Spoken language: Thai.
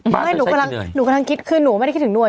ไม่หนูกำลังคิดคือหนูไม่ได้คิดถึงหน่วย